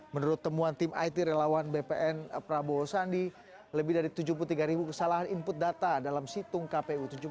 menurut temuan tim it relawan bpn prabowo sandi lebih dari tujuh puluh tiga ribu kesalahan input data dalam situng kpu